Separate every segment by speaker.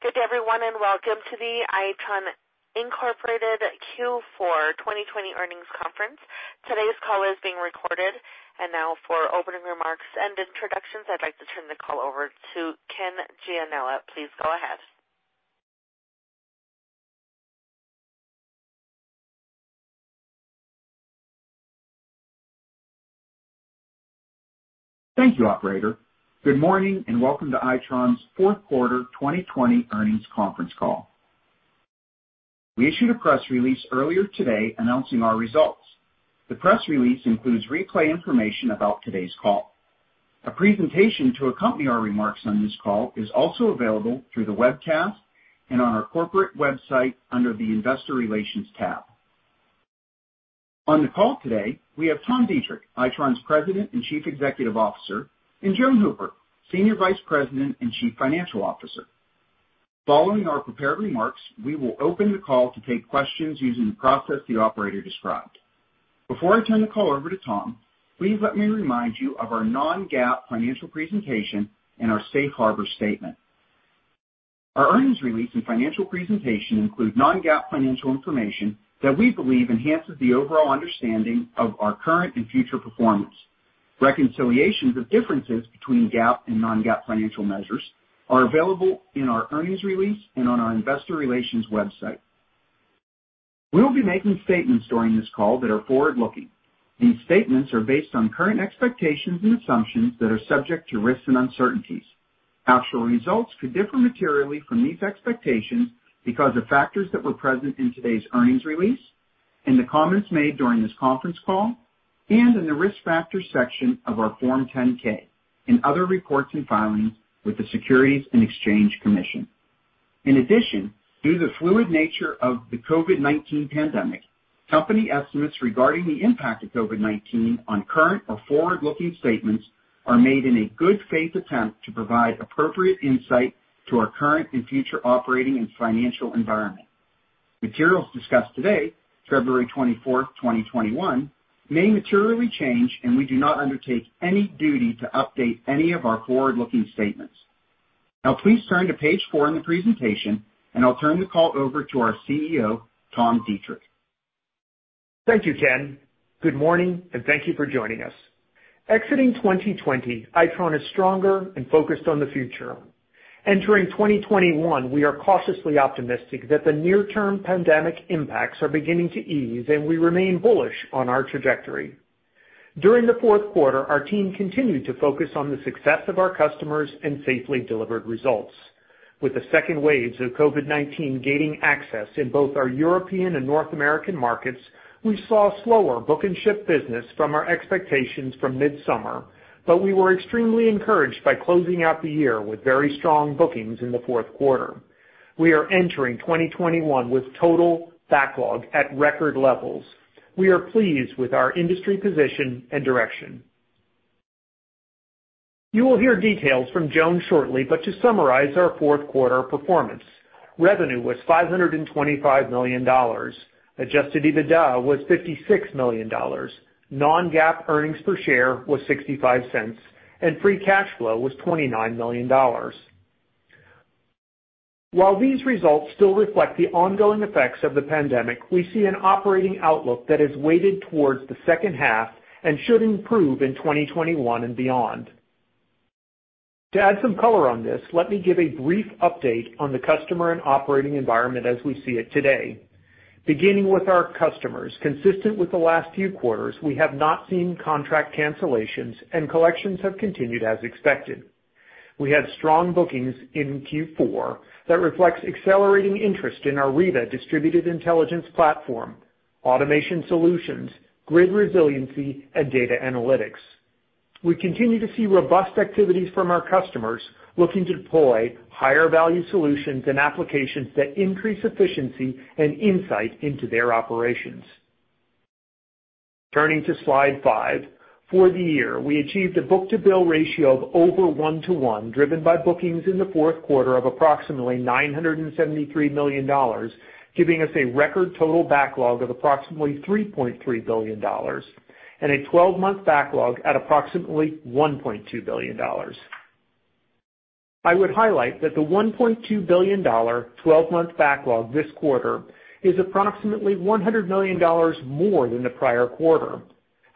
Speaker 1: Good day everyone. Welcome to the Itron Inc. Q4 2020 earnings conference. Today's call is being recorded. Now for opening remarks and introductions, I'd like to turn the call over to Ken Gianella. Please go ahead.
Speaker 2: Thank you, operator. Good morning and welcome to Itron's fourth quarter 2020 earnings conference call. We issued a press release earlier today announcing our results. The press release includes replay information about today's call. A presentation to accompany our remarks on this call is also available through the webcast and on our corporate website under the investor relations tab. On the call today, we have Tom Deitrich, Itron's President and Chief Executive Officer, and Joan Hooper, Senior Vice President and Chief Financial Officer. Following our prepared remarks, we will open the call to take questions using the process the operator described. Before I turn the call over to Tom, please let me remind you of our non-GAAP financial presentation and our safe harbor statement. Our earnings release and financial presentation include non-GAAP financial information that we believe enhances the overall understanding of our current and future performance. Reconciliations of differences between GAAP and non-GAAP financial measures are available in our earnings release and on our investor relations website. We will be making statements during this call that are forward-looking. These statements are based on current expectations and assumptions that are subject to risks and uncertainties. Actual results could differ materially from these expectations because of factors that were present in today's earnings release, in the comments made during this conference call, and in the risk factors section of our Form 10-K and other reports and filings with the Securities and Exchange Commission. In addition, due to the fluid nature of the COVID-19 pandemic, company estimates regarding the impact of COVID-19 on current or forward-looking statements are made in a good faith attempt to provide appropriate insight to our current and future operating and financial environment. Materials discussed today, February 24, 2021, may materially change and we do not undertake any duty to update any of our forward-looking statements. Please turn to page four in the presentation, and I'll turn the call over to our CEO, Tom Deitrich.
Speaker 3: Thank you, Ken. Good morning. Thank you for joining us. Exiting 2020, Itron is stronger and focused on the future. Entering 2021, we are cautiously optimistic that the near-term pandemic impacts are beginning to ease. We remain bullish on our trajectory. During the fourth quarter, our team continued to focus on the success of our customers and safely delivered results. With the second waves of COVID-19 gaining access in both our European and North American markets, we saw slower book and ship business from our expectations from mid-summer. We were extremely encouraged by closing out the year with very strong bookings in the fourth quarter. We are entering 2021 with total backlog at record levels. We are pleased with our industry position and direction. You will hear details from Joan shortly. To summarize our fourth quarter performance, revenue was $525 million. Adjusted EBITDA was $56 million. Non-GAAP earnings per share was $0.65, and free cash flow was $29 million. While these results still reflect the ongoing effects of the pandemic, we see an operating outlook that is weighted towards the second half and should improve in 2021 and beyond. To add some color on this, let me give a brief update on the customer and operating environment as we see it today. Beginning with our customers, consistent with the last few quarters, we have not seen contract cancellations and collections have continued as expected. We had strong bookings in Q4 that reflects accelerating interest in our Riva distributed intelligence platform, automation solutions, grid resiliency, and data analytics. We continue to see robust activities from our customers looking to deploy higher-value solutions and applications that increase efficiency and insight into their operations. Turning to slide five. For the year, we achieved a book-to-bill ratio of over one to one, driven by bookings in the fourth quarter of approximately $973 million, giving us a record total backlog of approximately $3.3 billion and a 12-month backlog at approximately $1.2 billion. I would highlight that the $1.2 billion 12-month backlog this quarter is approximately $100 million more than the prior quarter.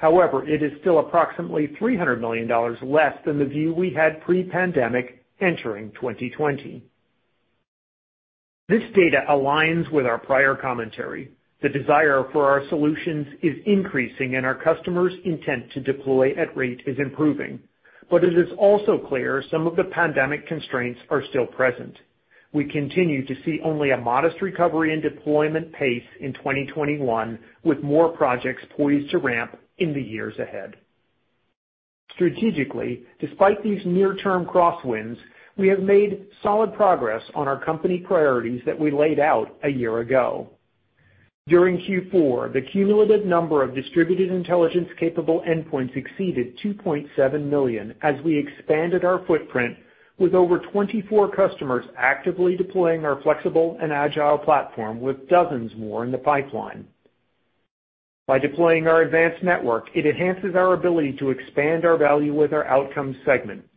Speaker 3: It is still approximately $300 million less than the view we had pre-pandemic entering 2020. This data aligns with our prior commentary. The desire for our solutions is increasing, and our customers' intent to deploy at a rate is improving. It is also clear some of the pandemic constraints are still present. We continue to see only a modest recovery in deployment pace in 2021, with more projects poised to ramp in the years ahead. Strategically, despite these near-term crosswinds, we have made solid progress on our company priorities that we laid out a year ago. During Q4, the cumulative number of distributed intelligence-capable endpoints exceeded 2.7 million as we expanded our footprint with over 24 customers actively deploying our flexible and agile platform with dozens more in the pipeline. By deploying our advanced network, it enhances our ability to expand our value with our Outcomes segment.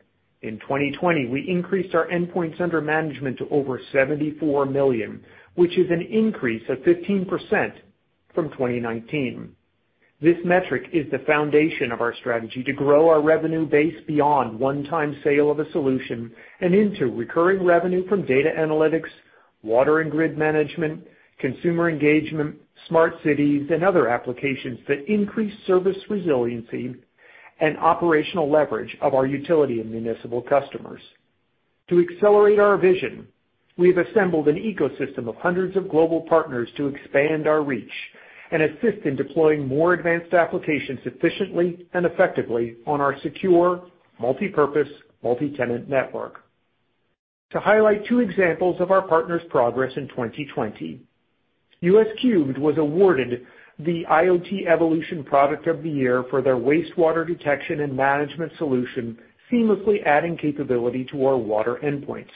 Speaker 3: In 2020, we increased our endpoints under management to over 74 million, which is an increase of 15% from 2019. This metric is the foundation of our strategy to grow our revenue base beyond one-time sale of a solution and into recurring revenue from data analytics, water and grid management, consumer engagement, smart cities, and other applications that increase service resiliency and operational leverage of our utility and municipal customers. To accelerate our vision, we've assembled an ecosystem of hundreds of global partners to expand our reach and assist in deploying more advanced applications efficiently and effectively on our secure multipurpose multi-tenant network. To highlight two examples of our partners' progress in 2020, US3 was awarded the IoT Evolution Product of the Year for their wastewater detection and management solution, seamlessly adding capability to our water endpoints.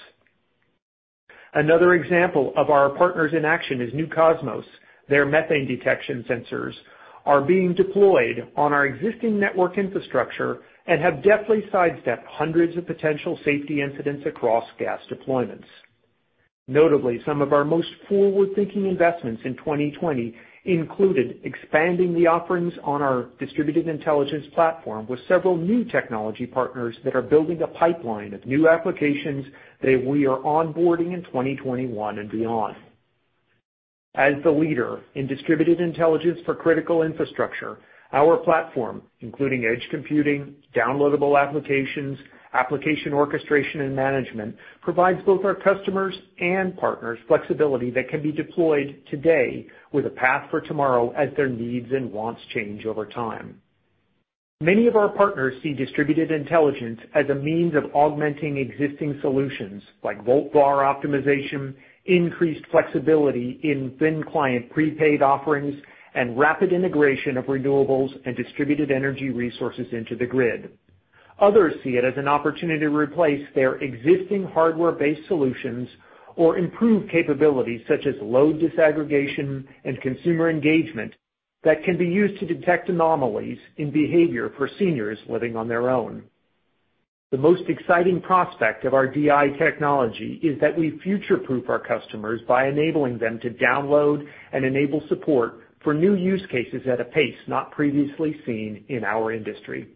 Speaker 3: Another example of our partners in action is New Cosmos. Their methane detection sensors are being deployed on our existing network infrastructure and have deftly sidestepped hundreds of potential safety incidents across gas deployments. Notably, some of our most forward-thinking investments in 2020 included expanding the offerings on our distributed intelligence platform with several new technology partners that are building a pipeline of new applications that we are onboarding in 2021 and beyond. As the leader in distributed intelligence for critical infrastructure, our platform, including edge computing, downloadable applications, application orchestration, and management, provides both our customers and partners with flexibility that can be deployed today with a path for tomorrow as their needs and wants change over time. Many of our partners see distributed intelligence as a means of augmenting existing solutions like Volt-VAR Optimization, increased flexibility in thin client prepaid offerings, and rapid integration of renewables and distributed energy resources into the grid. Others see it as an opportunity to replace their existing hardware-based solutions or improve capabilities such as load disaggregation and consumer engagement that can be used to detect anomalies in behavior for seniors living on their own. The most exciting prospect of our DI technology is that we future-proof our customers by enabling them to download and enable support for new use cases at a pace not previously seen in our industry.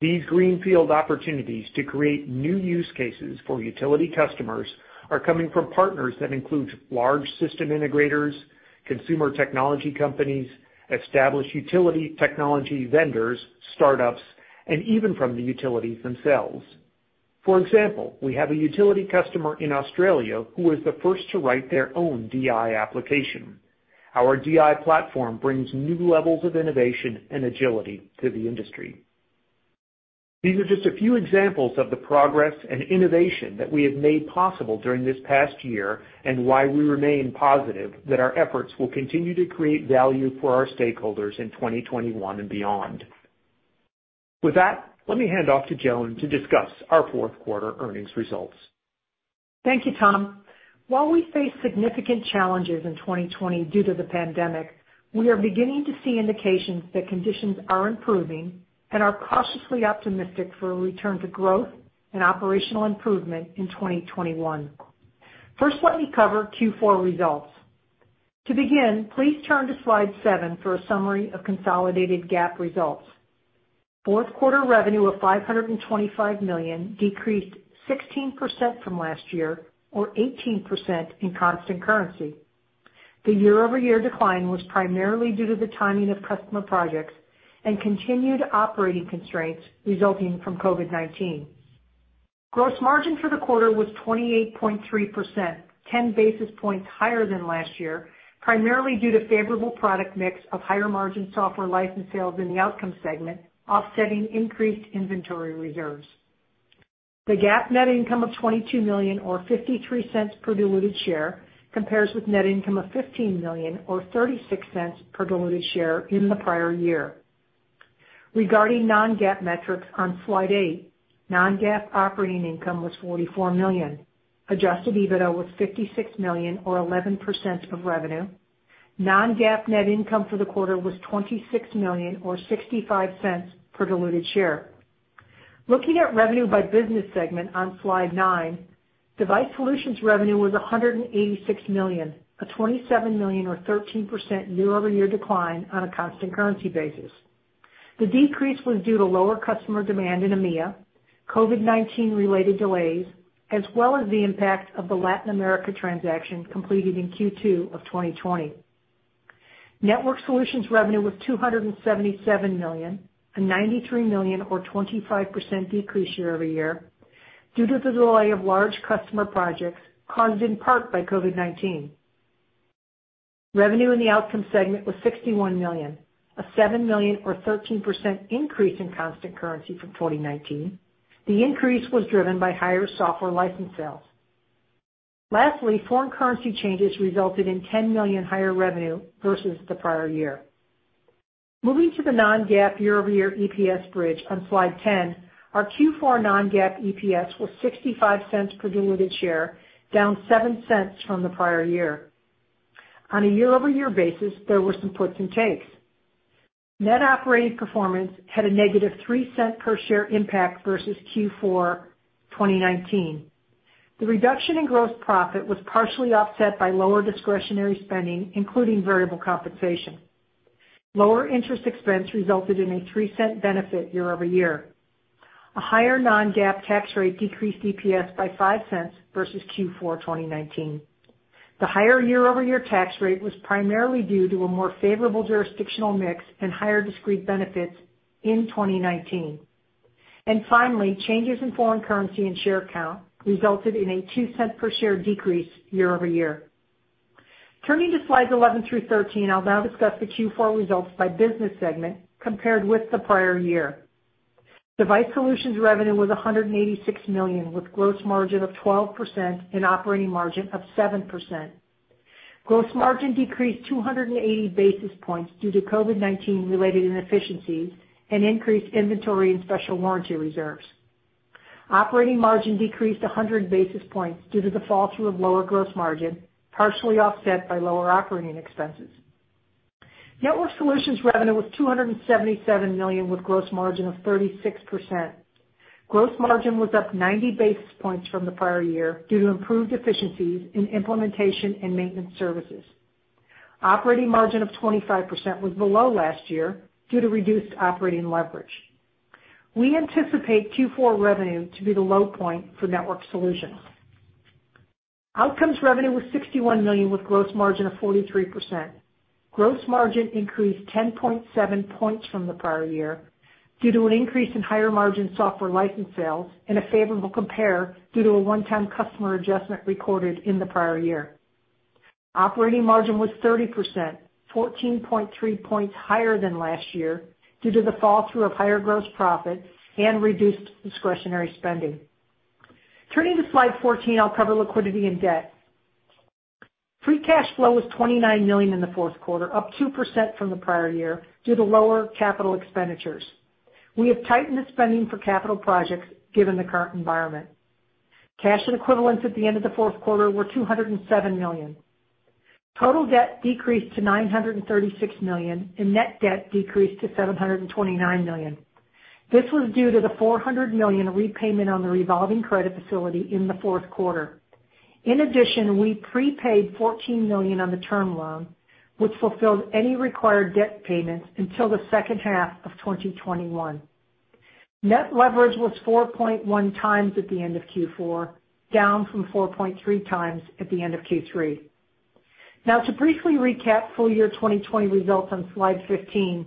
Speaker 3: These greenfield opportunities to create new use cases for utility customers are coming from partners that includes large system integrators, consumer technology companies, established utility technology vendors, startups, and even from the utilities themselves. For example, we have a utility customer in Australia who was the first to write their own DI application. Our DI platform brings new levels of innovation and agility to the industry. These are just a few examples of the progress and innovation that we have made possible during this past year, and why we remain positive that our efforts will continue to create value for our stakeholders in 2021 and beyond. With that, let me hand off to Joan to discuss our fourth quarter earnings results.
Speaker 4: Thank you, Tom. While we face significant challenges in 2020 due to the pandemic, we are beginning to see indications that conditions are improving and are cautiously optimistic for a return to growth and operational improvement in 2021. First, let me cover Q4 results. To begin, please turn to slide seven for a summary of consolidated GAAP results. Fourth quarter revenue of $525 million decreased 16% from last year or 18% in constant currency. The year-over-year decline was primarily due to the timing of customer projects and continued operating constraints resulting from COVID-19. Gross margin for the quarter was 28.3%, 10 basis points higher than last year, primarily due to the favorable product mix of higher-margin software license sales in the Outcomes segment offsetting increased inventory reserves. The GAAP net income of $22 million, or $0.53 per diluted share, compares with net income of $15 million, or $0.36 per diluted share in the prior year. Regarding non-GAAP metrics on slide eight, non-GAAP operating income was $44 million. Adjusted EBITDA was $56 million or 11% of revenue. Non-GAAP net income for the quarter was $26 million or $0.65 per diluted share. Looking at revenue by business segment on slide nine, Device Solutions revenue was $186 million, a $27 million or 13% year-over-year decline on a constant currency basis. The decrease was due to lower customer demand in EMEA, COVID-19 related delays, as well as the impact of the Latin America transaction completed in Q2 of 2020. Networked Solutions revenue was $277 million, a $93 million or 25% decrease year-over-year due to the delay of large customer projects caused in part by COVID-19. Revenue in the Outcomes segment was $61 million, a $7 million or 13% increase in constant currency from 2019. The increase was driven by higher software license sales. Lastly, foreign currency changes resulted in $10 million higher revenue versus the prior year. Moving to the non-GAAP year-over-year EPS bridge on slide 10. Our Q4 non-GAAP EPS was $0.65 per diluted share, down $0.07 from the prior year. On a year-over-year basis, there were some puts and takes. Net operating performance had a negative $0.03 per share impact versus Q4 2019. The reduction in gross profit was partially offset by lower discretionary spending, including variable compensation. Lower interest expense resulted in a $0.03 benefit year-over-year. A higher non-GAAP tax rate decreased EPS by $0.05 versus Q4 2019. The higher year-over-year tax rate was primarily due to a more favorable jurisdictional mix and higher discrete benefits in 2019. Finally, changes in foreign currency and share count resulted in a $0.02 per share decrease year-over-year. Turning to slides 11-13, I'll now discuss the Q4 results by business segment compared with the prior year. Device Solutions revenue was $186 million, with gross margin of 12% and operating margin of 7%. Gross margin decreased 280 basis points due to COVID-19 related inefficiencies and increased inventory and special warranty reserves. Operating margin decreased 100 basis points due to the fall through of lower gross margin, partially offset by lower operating expenses. Networked Solutions revenue was $277 million, with gross margin of 36%. Gross margin was up 90 basis points from the prior year due to improved efficiencies in implementation and maintenance services. Operating margin of 25% was below last year due to reduced operating leverage. We anticipate Q4 revenue to be the low point for Networked Solutions. Outcomes revenue was $61 million with gross margin of 43%. Gross margin increased 10.7 points from the prior year due to an increase in higher margin software license sales and a favorable compare due to a one-time customer adjustment recorded in the prior year. Operating margin was 30%, 14.3 points higher than last year due to the fall through of higher gross profit and reduced discretionary spending. Turning to slide 14, I'll cover liquidity and debt. Free cash flow was $29 million in the fourth quarter, up 2% from the prior year due to lower capital expenditures. We have tightened the spending for capital projects, given the current environment. Cash and equivalents at the end of the fourth quarter were $207 million. Total debt decreased to $936 million, and net debt decreased to $729 million. This was due to the $400 million repayment on the revolving credit facility in the fourth quarter. In addition, we prepaid $14 million on the term loan, which fulfilled any required debt payments until the second half of 2021. Net leverage was 4.1x at the end of Q4, down from 4.3x at the end of Q3. To briefly recap full year 2020 results on slide 15.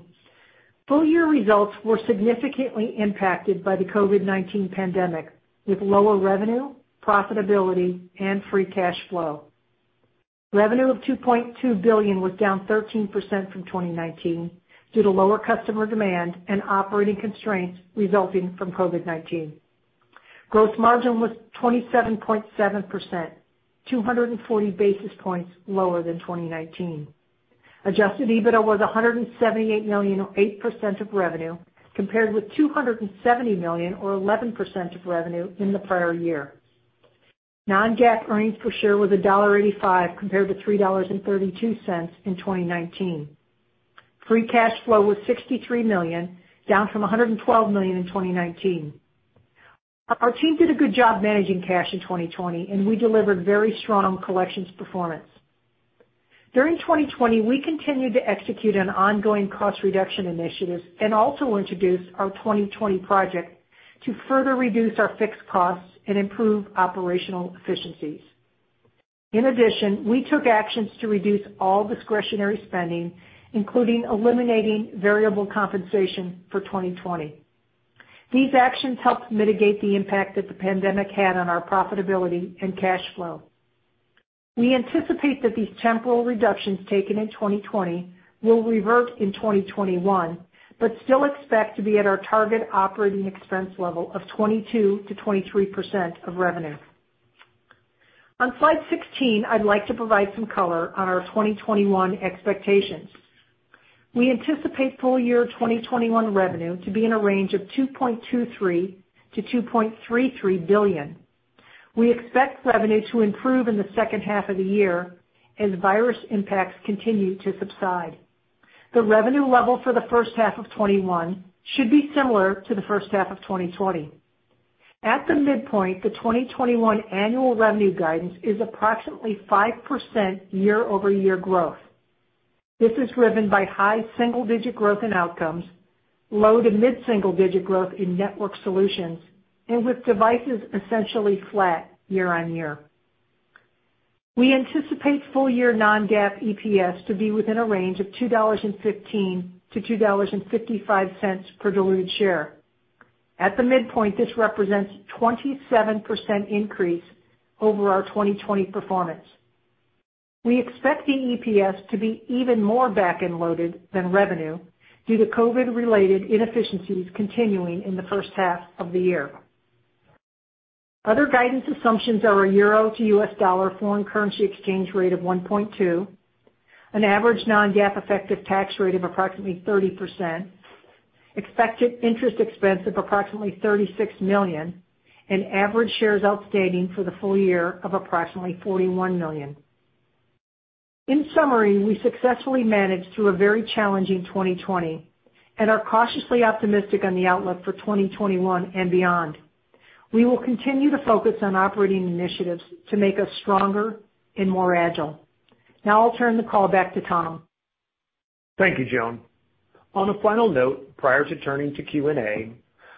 Speaker 4: Full-year results were significantly impacted by the COVID-19 pandemic, with lower revenue, profitability, and free cash flow. Revenue of $2.2 billion was down 13% from 2019 due to lower customer demand and operating constraints resulting from COVID-19. Gross margin was 27.7%, 240 basis points lower than 2019. Adjusted EBITDA was $178 million, or 8% of revenue, compared with $270 million or 11% of revenue in the prior year. Non-GAAP earnings per share was $1.85, compared to $3.32 in 2019. Free cash flow was $63 million, down from $112 million in 2019. Our team did a good job managing cash in 2020, and we delivered very strong collections performance. During 2020, we continued to execute an ongoing cost reduction initiatives and also introduced our 2020 project to further reduce our fixed costs and improve operational efficiencies. In addition, we took actions to reduce all discretionary spending, including eliminating variable compensation for 2020. These actions helped mitigate the impact that the pandemic had on our profitability and cash flow. We anticipate that these temporal reductions taken in 2020 will revert in 2021 but still expect to be at our target operating expense level of 22%-23% of revenue. On slide 16, I'd like to provide some color on our 2021 expectations. We anticipate full year 2021 revenue to be in a range of $2.23 billion-$2.33 billion. We expect revenue to improve in the second half of the year as virus impacts continue to subside. The revenue level for the first half of 2021 should be similar to the first half of 2020. At the midpoint, the 2021 annual revenue guidance is approximately 5% year-over-year growth. This is driven by high single-digit growth in Outcomes, low to mid single-digit growth in Networked Solutions, and with Devices essentially flat year-on-year. We anticipate full-year non-GAAP EPS to be within a range of $2.15-$2.55 per diluted share. At the midpoint, this represents 27% increase over our 2020 performance. We expect the EPS to be even more back-end loaded than revenue due to COVID-related inefficiencies continuing in the first half of the year. Other guidance assumptions are a euro to U.S. dollar foreign currency exchange rate of 1.2, an average non-GAAP effective tax rate of approximately 30%, expected interest expense of approximately $36 million, and average shares outstanding for the full year of approximately 41 million. In summary, we successfully managed through a very challenging 2020 and are cautiously optimistic on the outlook for 2021 and beyond. We will continue to focus on operating initiatives to make us stronger and more agile. Now I'll turn the call back to Tom.
Speaker 3: Thank you, Joan. On a final note, prior to turning to Q&A,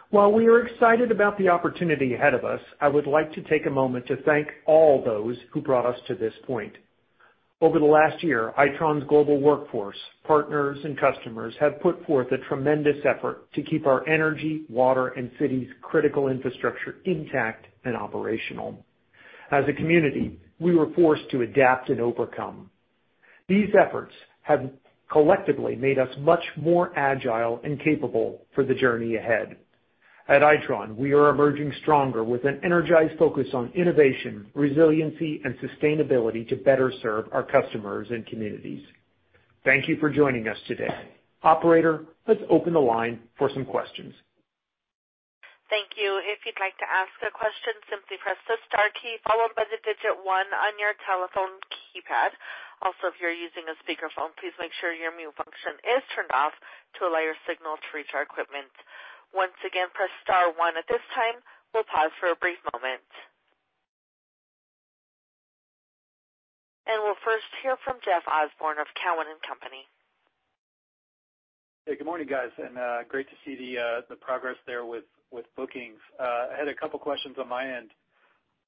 Speaker 3: while we are excited about the opportunity ahead of us, I would like to take a moment to thank all those who brought us to this point. Over the last year, Itron's global workforce, partners, and customers have put forth a tremendous effort to keep our energy, water, and cities' critical infrastructure intact and operational. As a community, we were forced to adapt and overcome. These efforts have collectively made us much more agile and capable for the journey ahead. At Itron, we are emerging stronger with an energized focus on innovation, resiliency, and sustainability to better serve our customers and communities. Thank you for joining us today. Operator, let's open the line for some questions.
Speaker 1: Thank you. If you would like to ask a question, please press the star key followed by the digit one on your telephone keypad. Also, if you're using a speakerphone, please make sure your mute function is turned off to allow your signal to reach our equipment. Once again, press star one at this time. We'll pause for a brief moment. We'll first hear from Jeff Osborne of Cowen and Company.
Speaker 5: Hey, good morning, guys. Great to see the progress there with bookings. I had two questions on my end.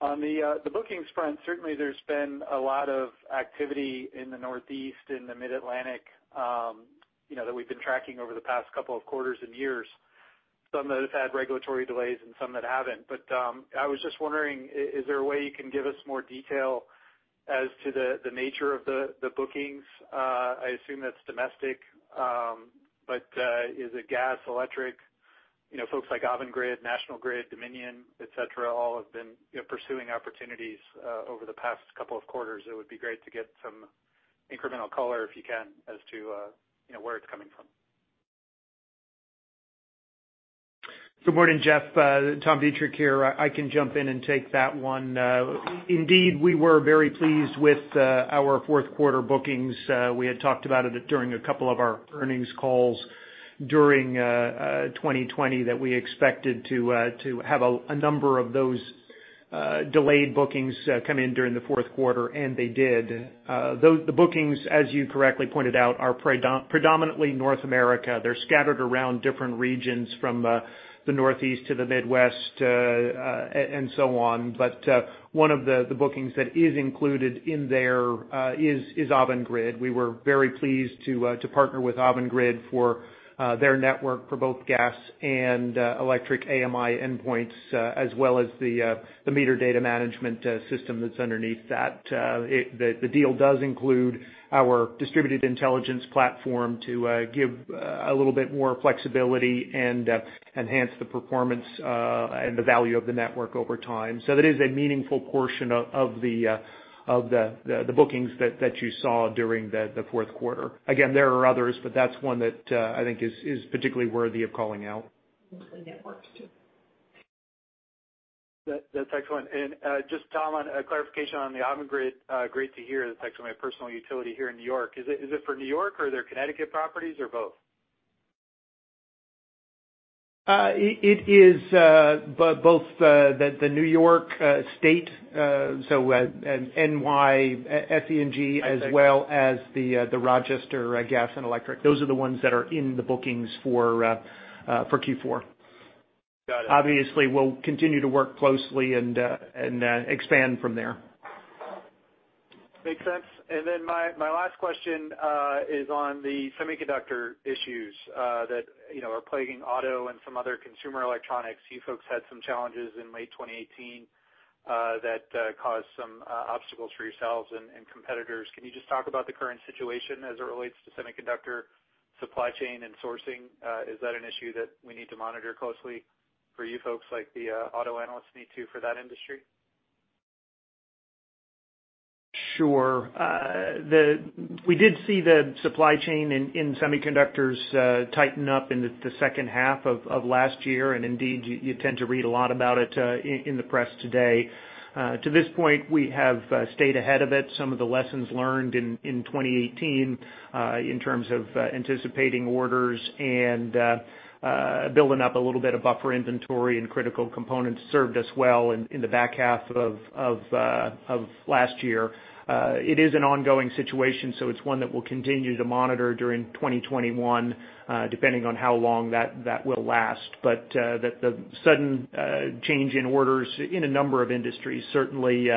Speaker 5: On the bookings front, certainly there's been a lot of activity in the Northeast and the Mid-Atlantic that we've been tracking over the past two quarters and years, some that have had regulatory delays and some that haven't. I was just wondering, is there a way you can give us more detail as to the nature of the bookings? I assume that's domestic. Is it gas, electric? Folks like Avangrid, National Grid, Dominion, et cetera, all have been pursuing opportunities over the past two quarters. It would be great to get some incremental color, if you can, as to where it's coming from.
Speaker 3: Good morning, Jeff. Tom Deitrich here. I can jump in and take that one. Indeed, we were very pleased with our fourth quarter bookings. We had talked about it during a couple of our earnings calls during 2020 that we expected to have a number of those delayed bookings come in during the fourth quarter. They did. The bookings, as you correctly pointed out, are predominantly North America. They're scattered around different regions from the Northeast to the Midwest and so on. One of the bookings that is included in there is Avangrid. We were very pleased to partner with Avangrid for their network for both gas and electric AMI endpoints, as well as the meter data management system that's underneath that. The deal does include our distributed intelligence platform to give a little bit more flexibility and enhance the performance and the value of the network over time. That is a meaningful portion of the bookings that you saw during the fourth quarter. There are others, but that's one that I think is particularly worthy of calling out.
Speaker 4: The networks, too.
Speaker 5: That's excellent. Just, Tom, a clarification on the Avangrid. Great to hear. That's actually my personal utility here in New York. Is it for New York or their Connecticut properties or both?
Speaker 3: It is both the New York State, so NYSEG, as well as the Rochester Gas and Electric. Those are the ones that are in the bookings for Q4.
Speaker 5: Got it.
Speaker 3: Obviously, we'll continue to work closely and then expand from there.
Speaker 5: Makes sense. My last question is on the semiconductor issues that are plaguing auto and some other consumer electronics. You folks had some challenges in late 2018 that caused some obstacles for yourselves and competitors. Can you just talk about the current situation as it relates to semiconductor supply chain and sourcing? Is that an issue that we need to monitor closely for you folks like the auto analysts need to for that industry?
Speaker 3: Sure. We did see the supply chain in semiconductors tighten up in the second half of last year. Indeed, you tend to read a lot about it in the press today. To this point, we have stayed ahead of it. Some of the lessons learned in 2018, in terms of anticipating orders and building up a little bit of buffer inventory and critical components served us well in the back half of last year. It is an ongoing situation, so it's one that we'll continue to monitor during 2021, depending on how long that will last. The sudden change in orders in a number of industries, certainly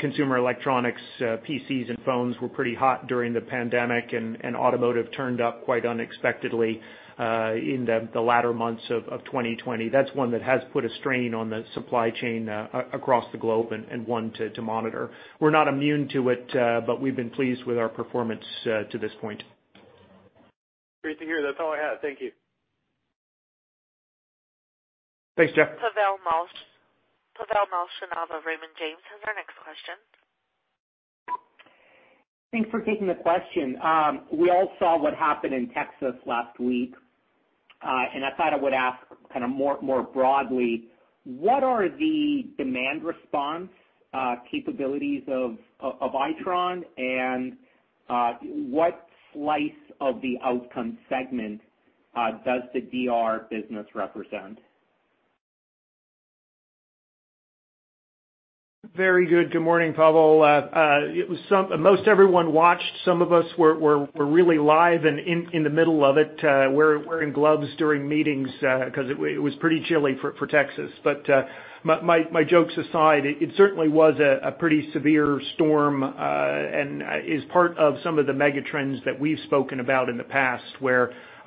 Speaker 3: consumer electronics, PCs, and phones were pretty hot during the pandemic, and automotive turned up quite unexpectedly in the latter months of 2020. That's one that has put a strain on the supply chain across the globe and one to monitor. We're not immune to it, but we've been pleased with our performance to this point.
Speaker 5: Great to hear. That's all I had. Thank you.
Speaker 3: Thanks, Jeff.
Speaker 1: Pavel Molchanov, Raymond James, has our next question.
Speaker 6: Thanks for taking the question. I thought I would ask more broadly, what are the Demand Response capabilities of Itron, and what slice of the Outcomes segment does the DR business represent?
Speaker 3: Very good. Good morning, Pavel. Most everyone watched. Some of us were really live and in the middle of it, wearing gloves during meetings because it was pretty chilly for Texas. My jokes aside, it certainly was a pretty severe storm and is part of some of the mega trends that we've spoken about in the past,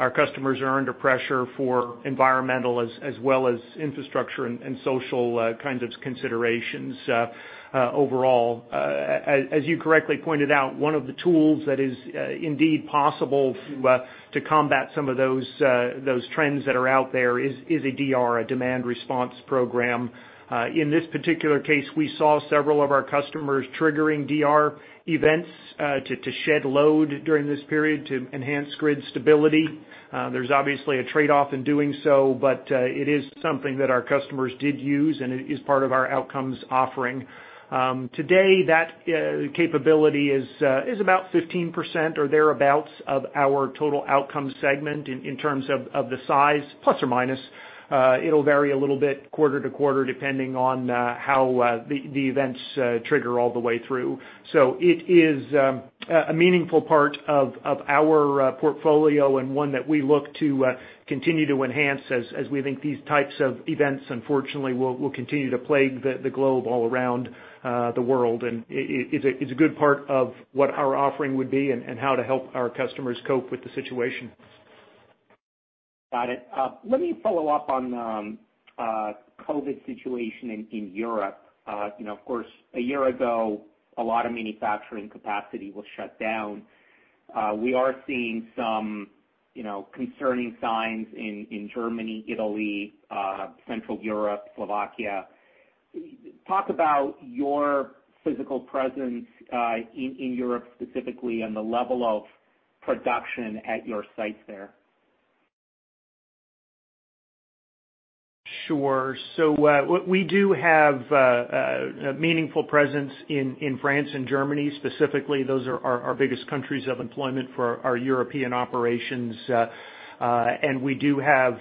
Speaker 3: where our customers are under pressure for environmental as well as infrastructure and social kinds of considerations overall. As you correctly pointed out, one of the tools that is indeed possible to combat some of those trends that are out there is a DR, a Demand Response program. In this particular case, we saw several of our customers triggering DR events to shed load during this period to enhance grid stability. There's obviously a trade-off in doing so, but it is something that our customers did use, and it is part of our Outcomes offering. Today, that capability is about 15% or thereabouts of our total Outcomes segment in terms of the size, plus or minus. It'll vary a little bit quarter-to-quarter, depending on how the events trigger all the way through. It is a meaningful part of our portfolio and one that we look to continue to enhance as we think these types of events, unfortunately, will continue to plague the globe all around the world. It's a good part of what our offering would be and how to help our customers cope with the situation.
Speaker 6: Got it. Let me follow up on COVID situation in Europe. Of course, a year ago, a lot of manufacturing capacity was shut down. We are seeing some concerning signs in Germany, Italy, Central Europe, and Slovakia. Talk about your physical presence in Europe, specifically, and the level of production at your sites there.
Speaker 3: Sure. We do have a meaningful presence in France and Germany, specifically. Those are our biggest countries of employment for our European operations. We do have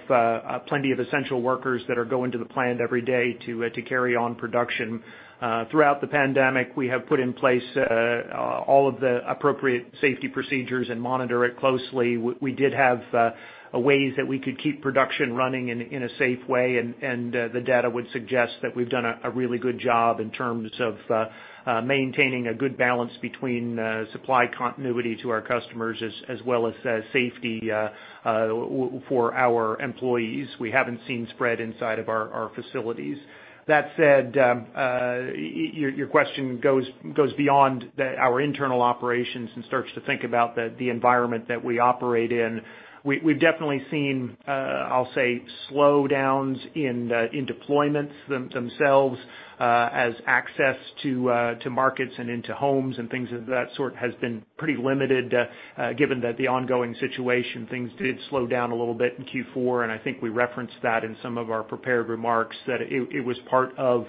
Speaker 3: plenty of essential workers that are going to the plant every day to carry on production. Throughout the pandemic, we have put in place all of the appropriate safety procedures and monitor it closely. We did have ways that we could keep production running in a safe way, and the data would suggest that we've done a really good job in terms of maintaining a good balance between supply continuity to our customers as well as safety for our employees. We haven't seen the spread inside of our facilities. That said, your question goes beyond our internal operations and starts to think about the environment that we operate in. We've definitely seen, I'll say, slowdowns in deployments themselves as access to markets and into homes and things of that sort has been pretty limited given the ongoing situation. Things did slow down a little bit in Q4, and I think we referenced that in some of our prepared remarks, that it was part of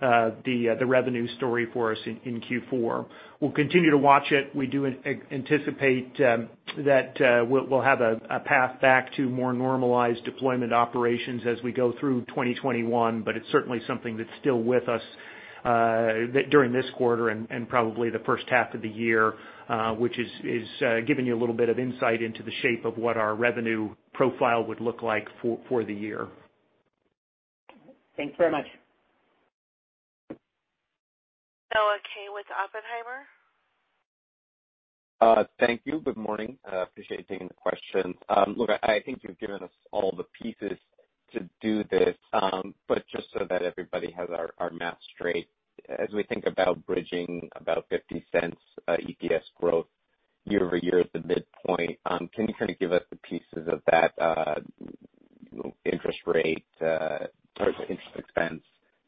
Speaker 3: the revenue story for us in Q4. We'll continue to watch it. We do anticipate that we'll have a path back to more normalized deployment operations as we go through 2021, but it's certainly something that's still with us during this quarter and probably the first half of the year, which is giving you a little bit of insight into the shape of what our revenue profile would look like for the year.
Speaker 6: Thanks very much.
Speaker 1: Noah Kaye with Oppenheimer.
Speaker 7: Thank you. Good morning. Appreciate you taking the question. Look, I think you've given us all the pieces to do this, but just so that everybody has our math straight, as we think about bridging about $0.50 EPS growth year-over-year at the midpoint, can you kind of give us the pieces of that interest rate, interest expense,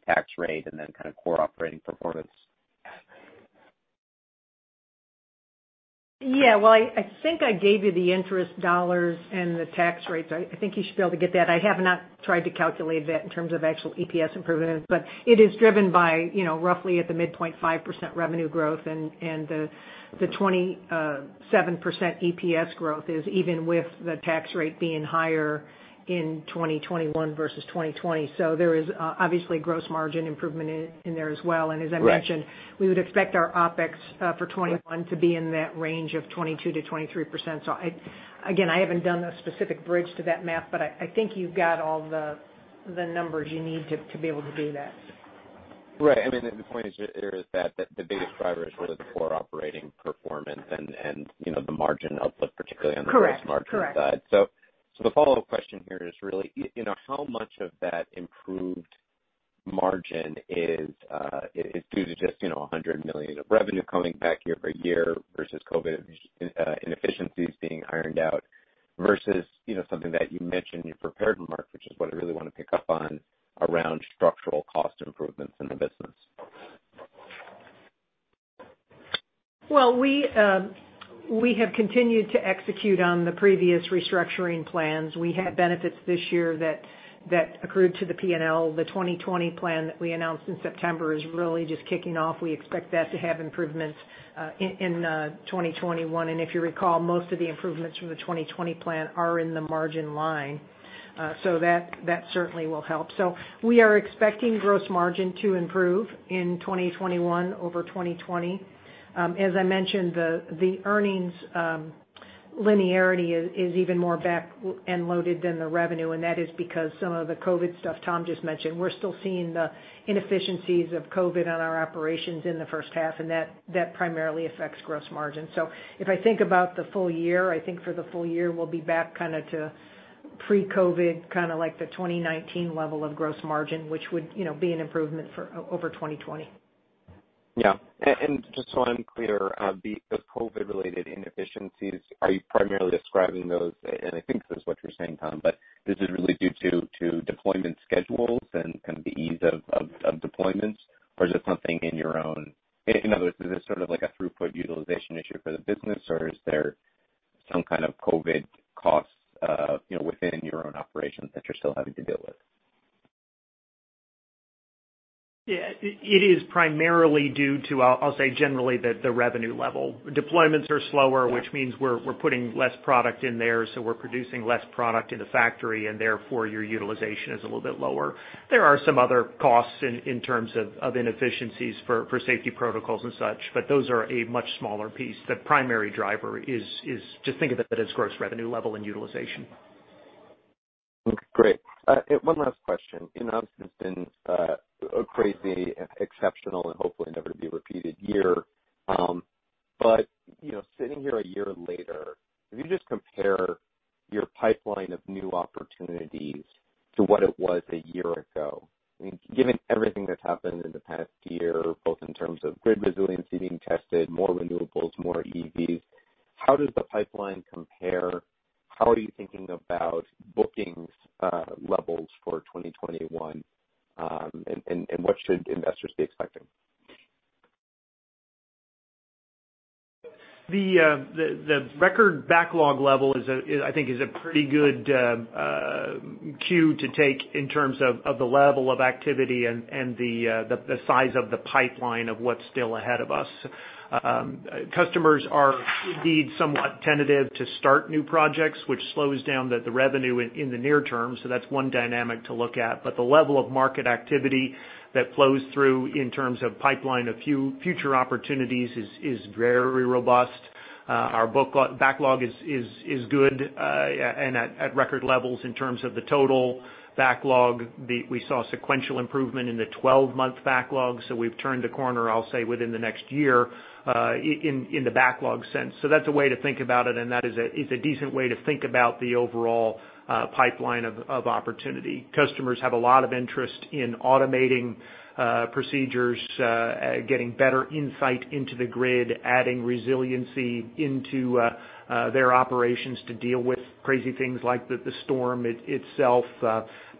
Speaker 7: tax rate, and then core operating performance?
Speaker 4: Well, I think I gave you the interest dollars and the tax rates. I think you should be able to get that. I have not tried to calculate that in terms of actual EPS improvement, but it is driven by roughly at the midpoint 5% revenue growth, and the 27% EPS growth is even with the tax rate being higher in 2021 versus 2020. There is obviously gross margin improvement in there as well.
Speaker 7: Right.
Speaker 4: As I mentioned, we would expect our OpEx for 2021 to be in that range of 22%-23%. Again, I haven't done the specific bridge to that math, but I think you've got all the numbers you need to be able to do that.
Speaker 7: Right. The point is that the biggest driver is really the core operating performance and the margin uplift, particularly on the gross margin side.
Speaker 4: Correct.
Speaker 7: The follow-up question here is really, how much of that improved margin is due to just $100 million of revenue coming back year-over-year versus COVID inefficiencies being ironed out, versus something that you mentioned in your prepared remarks, which is what I really want to pick up on around structural cost improvements in the business.
Speaker 4: Well, we have continued to execute on the previous restructuring plans. We had benefits this year that accrued to the P&L. The 2020 Project that we announced in September is really just kicking off. We expect that to have improvements in 2021. If you recall, most of the improvements from the 2020 Project are in the margin line. That certainly will help. We are expecting gross margin to improve in 2021 over 2020. As I mentioned, the earnings linearity is even more back-end loaded than the revenue, and that is because of some of the COVID-19 stuff Tom just mentioned. We're still seeing the inefficiencies of COVID-19 on our operations in the first half, and that primarily affects gross margin. If I think about the full year, I think for the full year, we'll be back kind of to pre-COVID, kind of like the 2019 level of gross margin, which would be an improvement for over 2020.
Speaker 7: Yeah. Just so I'm clear, the COVID-related inefficiencies, are you primarily describing those, and I think this is what you're saying, Tom, but is it really due to deployment schedules and kind of the ease of deployments, or is it something in your own In other words, is this sort of like a throughput utilization issue for the business, or is there some kind of COVID costs within your own operations that you're still having to deal with?
Speaker 3: Yeah. It is primarily due to, I'll say generally the revenue level. Deployments are slower Which means we're putting less product in there, so we're producing less product in the factory and therefore your utilization is a little bit lower. There are some other costs in terms of inefficiencies for safety protocols and such, those are a much smaller piece. The primary driver is, just think of it as gross revenue level and utilization.
Speaker 7: Great. One last question. Obviously, it's been a crazy, exceptional, and hopefully never-to-be-repeated year. Sitting here a year later, if you just compare your pipeline of new opportunities to what it was a year ago, given everything that's happened in the past year, both in terms of grid resiliency being tested, more renewables, more EVs, how does the pipeline compare? How are you thinking about booking levels for 2021? What should investors be expecting?
Speaker 3: The record backlog level I think is a pretty good cue to take in terms of the level of activity and the size of the pipeline of what's still ahead of us. Customers are indeed somewhat tentative to start new projects, which slows down the revenue in the near term, so that's one dynamic to look at. The level of market activity that flows through in terms of pipeline of future opportunities is very robust. Our backlog is good and at record levels in terms of the total backlog. We saw sequential improvement in the 12-month backlog, so we've turned a corner, I'll say, within the next year, in the backlog sense. That's a way to think about it, and that is a decent way to think about the overall pipeline of opportunity. Customers have a lot of interest in automating procedures, getting better insight into the grid, adding resiliency into their operations to deal with crazy things like the storm itself,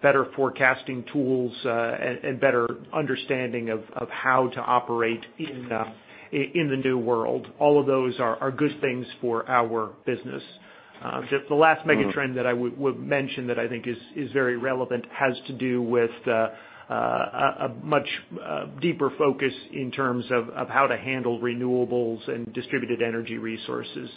Speaker 3: better forecasting tools, and a better understanding of how to operate in the new world. All of those are good things for our business. The last mega trend that I would mention that I think is very relevant has to do with a much deeper focus in terms of how to handle renewables and distributed energy resources.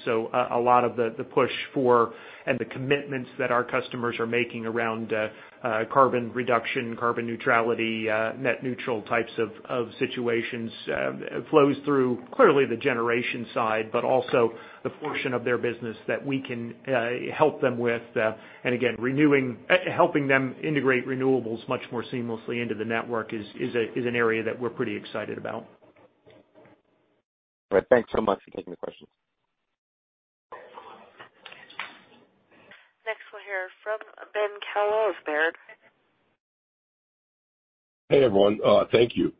Speaker 3: A lot of the push for and the commitments that our customers are making around carbon reduction, carbon neutrality, net neutral types of situations, flows through clearly the generation side, but also the portion of their business that we can help them with. Again, helping them integrate renewables much more seamlessly into the network is an area that we're pretty excited about.
Speaker 7: All right. Thanks so much for taking the questions.
Speaker 1: Next one here from Ben Kallo of Baird.
Speaker 8: Hey, everyone. Thank you.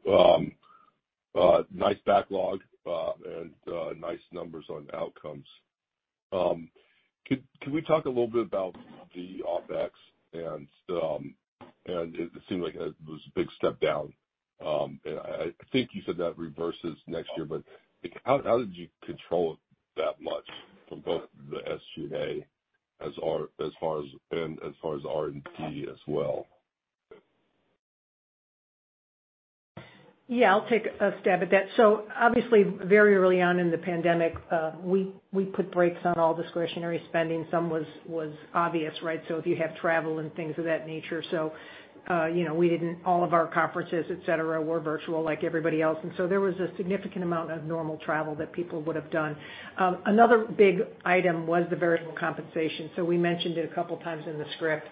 Speaker 8: Nice backlog and nice numbers on Outcomes. Can we talk a little bit about the OpEx, and it seemed like it was a big step down. I think you said that reverses next year. How did you control it that much from both the SG&A and, as far as R&D as well?
Speaker 4: Yeah, I'll take a stab at that. Obviously, very early on in the pandemic, we put the brakes on all discretionary spending. Some was obvious, right? If you have travel and things of that nature. All of our conferences, et cetera, were virtual like everybody else. There was a significant amount of normal travel that people would have done. Another big item was the variable compensation. We mentioned it a couple of times in the script.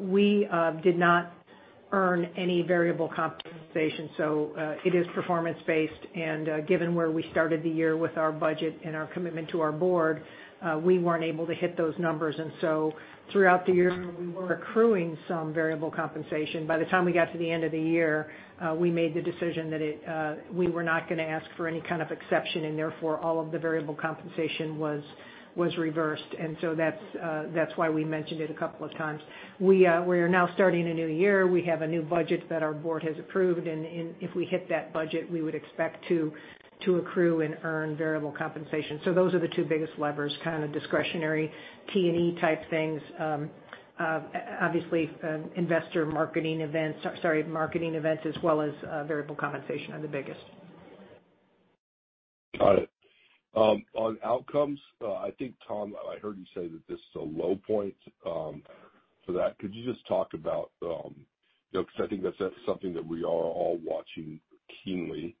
Speaker 4: We did not earn any variable compensation, so it is performance-based, and given where we started the year with our budget and our commitment to our board, we weren't able to hit those numbers. Throughout the year we were accruing some variable compensation. By the time we got to the end of the year, we made the decision that we were not going to ask for any kind of exception, and therefore, all of the variable compensation was reversed. That's why we mentioned it a couple of times. We are now starting a new year. We have a new budget that our board has approved. If we hit that budget, we would expect to accrue and earn variable compensation. Those are the two biggest levers, kind of discretionary T&E-type things. Obviously, investor marketing events, sorry, marketing events as well as variable compensation are the biggest.
Speaker 8: Got it. On Outcomes, I think, Tom, I heard you say that this is a low point for that. Could you just talk about-- because I think that's something that we are all watching keenly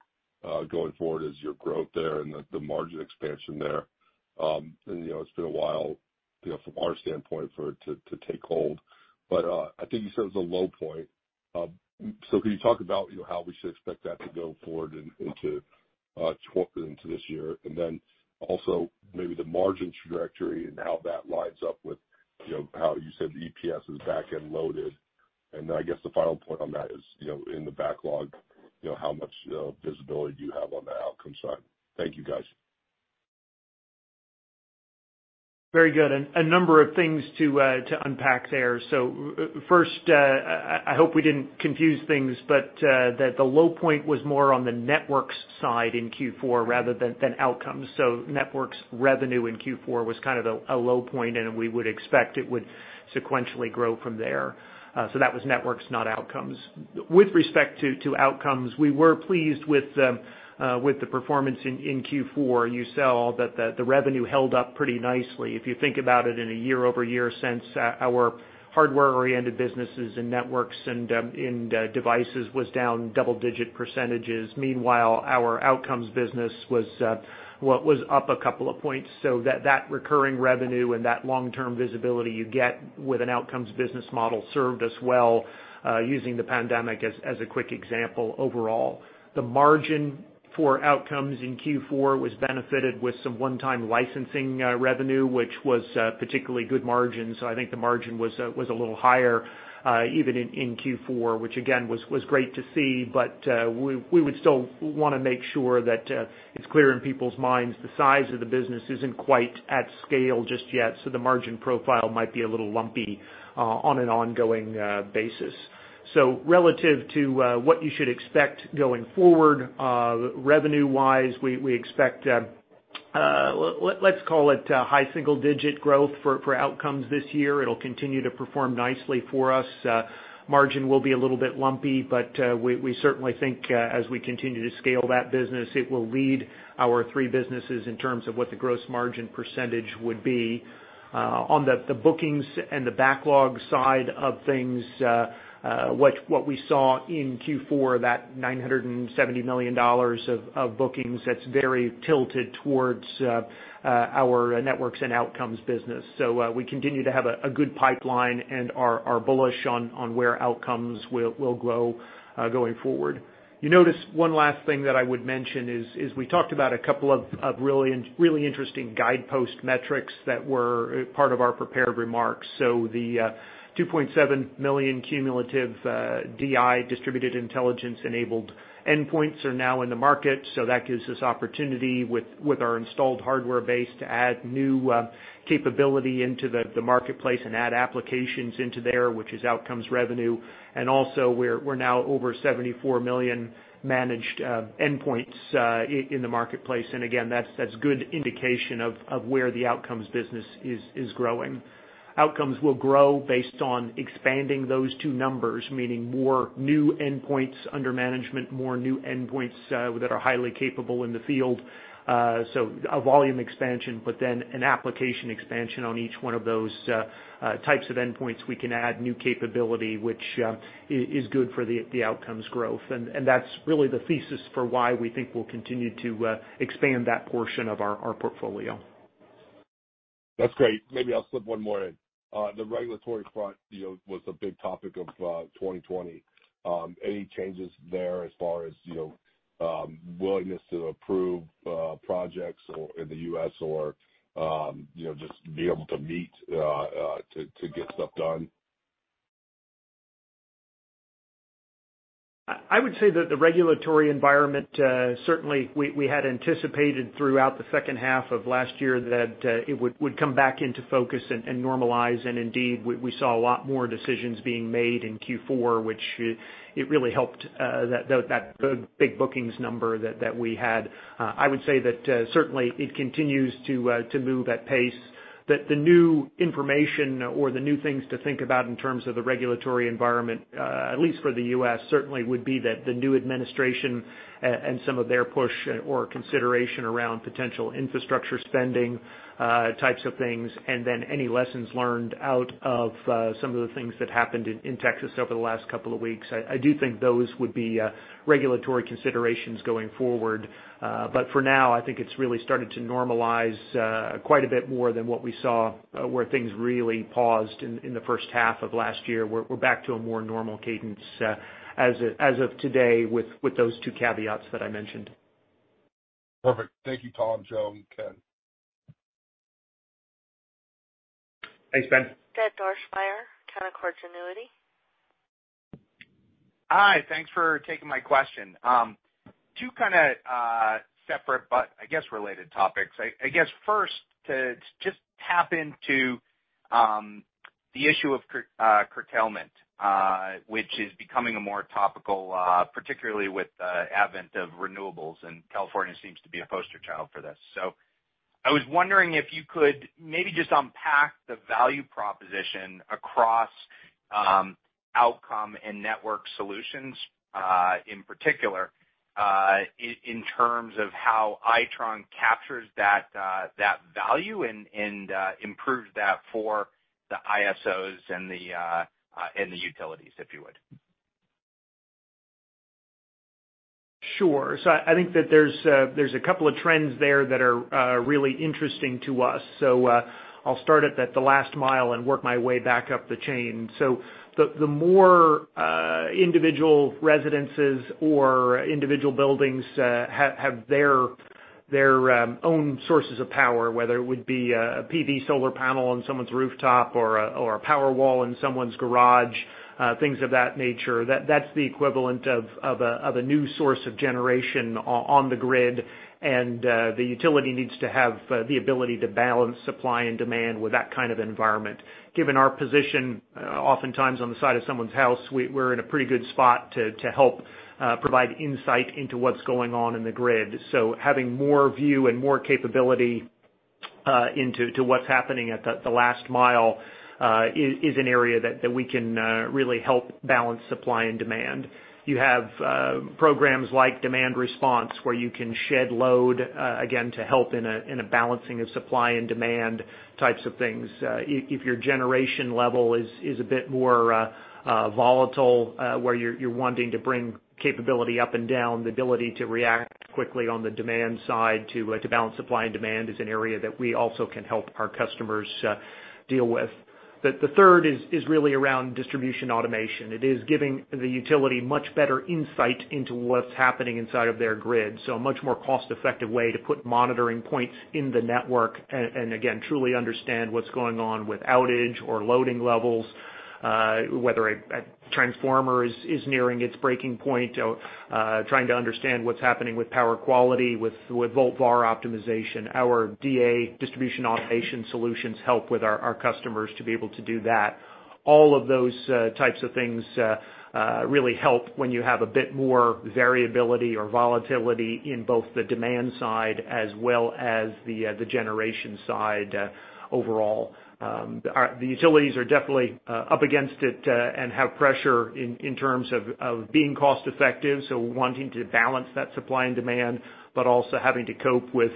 Speaker 8: going forward, is your growth there and the margin expansion there. It's been a while from our standpoint for it to take hold. I think you said it was a low point. Could you talk about how we should expect that to go forward into this year? Also, maybe the margin trajectory and how that lines up with how you said the EPS is back-end loaded. I guess the final point on that is in the backlog. How much visibility do you have on the Outcome side? Thank you, guys.
Speaker 3: Very good. A number of things to unpack there. First, I hope we didn't confuse things, but that the low point was more on the Networks side in Q4 rather than Outcomes. Networks revenue in Q4 was kind of a low point, and we would expect it would sequentially grow from there. That was Networks, not Outcomes. With respect to Outcomes, we were pleased with the performance in Q4. You saw that the revenue held up pretty nicely. If you think about it in a year-over-year sense, our hardware-oriented businesses and Networks and Devices was down double-digit percentages. Meanwhile, our Outcomes business was up a couple of points. That recurring revenue and that long-term visibility you get with an Outcomes business model served us well, using the pandemic as a quick example overall. The margin for Outcomes in Q4 was benefited with some one-time licensing revenue, which was particularly good margin. I think the margin was a little higher even in Q4, which again, was great to see. We would still want to make sure that it's clear in people's minds the size of the business isn't quite at scale just yet. The margin profile might be a little lumpy on an ongoing basis. Relative to what you should expect going forward revenue-wise, we expect, let's call it high single-digit growth for Outcomes this year. It'll continue to perform nicely for us. Margin will be a little bit lumpy, but we certainly think as we continue to scale that business, it will lead our three businesses in terms of what the gross margin percentage would be. On the bookings and the backlog side of things, what we saw in Q4, that $970 million of bookings, that's very tilted towards our Networks and Outcomes business. We continue to have a good pipeline and are bullish on where Outcomes will grow going forward. You notice one last thing that I would mention is we talked about a couple of really interesting guidepost metrics that were part of our prepared remarks. The 2.7 million cumulative DI, distributed intelligence-enabled endpoints are now in the market. That gives us the opportunity with our installed hardware base to add new capabilities into the marketplace and add applications into there, which is Outcomes revenue. Also, we're now over 74 million managed endpoints in the marketplace. Again, that's a good indication of where the Outcomes business is growing. Outcomes will grow based on expanding those two numbers, meaning more new endpoints under management, more new endpoints that are highly capable in the field. A volume expansion, but then an application expansion on each one of those types of endpoints, we can add new capability, which is good for the Outcomes growth. That's really the thesis for why we think we'll continue to expand that portion of our portfolio.,
Speaker 8: That's great. Maybe I'll slip one more in. The regulatory front was a big topic of 2020. Any changes there as far as willingness to approve projects in the U.S. or just be able to meet to get stuff done?
Speaker 3: I would say that the regulatory environment certainly we had anticipated throughout the second half of last year that it would come back into focus and normalize, and indeed, we saw a lot more decisions being made in Q4, which it really helped that big bookings number that we had. I would say that certainly it continues to move at pace, that the new information or the new things to think about in terms of the regulatory environment, at least for the U.S., certainly would be that the new administration and some of their push or consideration around potential infrastructure spending types of things, and then any lessons learned out of some of the things that happened in Texas over the last couple of weeks. I do think those would be regulatory considerations going forward. For now, I think it's really started to normalize quite a bit more than what we saw where things really paused in the first half of last year. We're back to a more normal cadence as of today with those two caveats that I mentioned.
Speaker 8: Perfect. Thank you, Tom, Joan, and Ken.
Speaker 3: Thanks, Ben.
Speaker 1: Jed Dorsheimer, Canaccord Genuity.
Speaker 9: Hi. Thanks for taking my question. Two kinds of separate but I guess related topics. I guess first, to just tap into the issue of curtailment, which is becoming more topical, particularly with the advent of renewables. California seems to be a poster child for this. I was wondering if you could maybe just unpack the value proposition across Outcomes and Networked Solutions, in particular, in terms of how Itron captures that value and improves that for the ISOs and the utilities, if you would.
Speaker 3: Sure. I think that there's a couple of trends there that are really interesting to us. I'll start at the last mile and work my way back up the chain. The more individual residences or individual buildings have their own sources of power, whether it would be a PV solar panel on someone's rooftop or a Powerwall in someone's garage, things of that nature, that's the equivalent of a new source of generation on the grid. The utility needs to have the ability to balance supply and demand with that kind of environment. Given our position, oftentimes on the side of someone's house, we're in a pretty good spot to help provide insight into what's going on in the grid. Having more view and more capability into what's happening at the last mile is an area that we can really help balance supply and demand. You have programs like Demand Response where you can shed load, again, to help in a balancing of supply and demand types of things. If your generation level is a bit more volatile, where you're wanting to bring capability up and down, the ability to react quickly on the demand side to balance supply and demand is an area that we also can help our customers deal with. The third is really around distribution automation. It is giving the utility much better insight into what's happening inside of their grid. A much more cost-effective way to put monitoring points in the network and, again, truly understand what's going on with outage or loading levels, whether a transformer is nearing its breaking point, trying to understand what's happening with power quality, with Volt-VAR Optimization. Our DA, distribution automation solutions, help our customers to be able to do that. All of those types of things really help when you have a bit more variability or volatility in both the demand side as well as the generation side overall. The utilities are definitely up against it and have pressure in terms of being cost-effective, so wanting to balance that supply and demand, but also having to cope with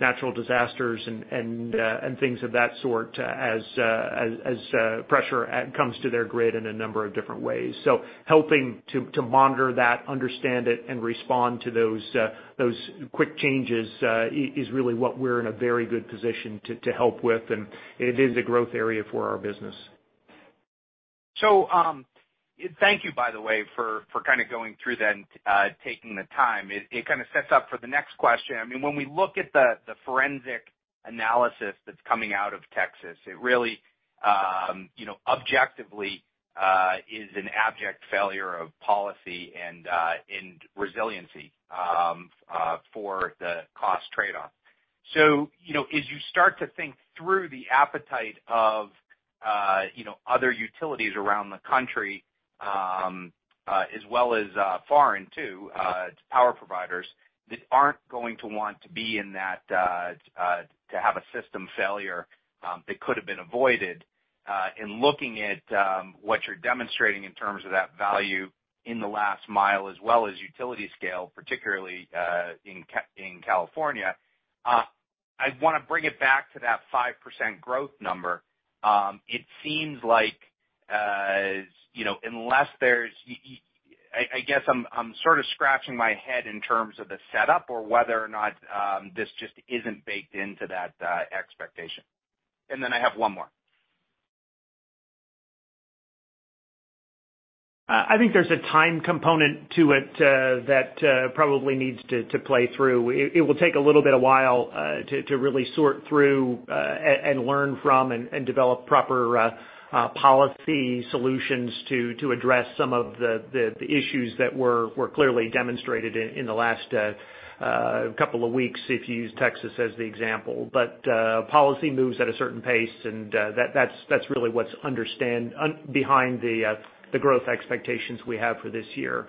Speaker 3: natural disasters and things of that sort as pressure comes to their grid in a number of different ways. Helping to monitor that, understand it, and respond to those quick changes is really what we're in a very good position to help with, and it is a growth area for our business.
Speaker 9: Thank you, by the way, for kind of going through that and taking the time. It kind of sets up for the next question. When we look at the forensic analysis that's coming out of Texas, it really objectively is an abject failure of policy and resiliency for the cost trade-off. As you start to think through the appetite of other utilities around the country, as well as foreign too, power providers that aren't going to want to have a system failure that could have been avoided. In looking at what you're demonstrating in terms of that value in the last mile as well as utility scale, particularly in California, I want to bring it back to that 5% growth number. It seems like I guess I'm sort of scratching my head in terms of the setup or whether or not this just isn't baked into that expectation. Then I have one more.
Speaker 3: I think there's a time component to it that probably needs to play through. It will take a little bit of while to really sort through and learn from and develop proper policy solutions to address some of the issues that were clearly demonstrated in the last couple of weeks, if you use Texas as the example. Policy moves at a certain pace, and that's really what's behind the growth expectations we have for this year.